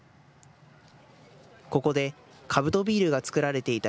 ここでカブトビールが造られていた